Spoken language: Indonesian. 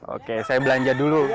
oke saya belanja dulu